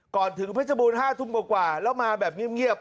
ก่อนถึงเพชรบูร๕ทุ่มกว่าแล้วมาแบบเงียบ